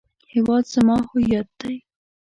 هیواد زما هویت دی